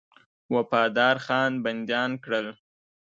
وفادارخان بنديان کړل.